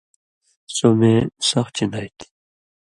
سو مے سخ چِندائ تھی۔